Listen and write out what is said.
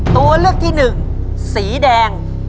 ตัวเลือกที่หนึ่งสีแดง